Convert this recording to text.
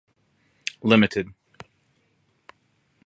Ltd.